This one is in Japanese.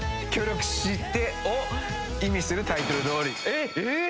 えっ！？えっ！？